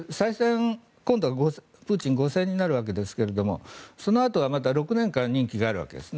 今度はプーチンは５選になるわけですがそのあとはまた６年間任期があるわけですね。